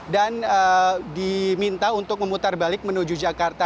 dan diminta untuk memutar balik menuju jakarta